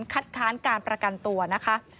คัดค้านการประกันตัวนะคะ